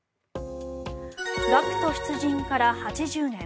学徒出陣から８０年。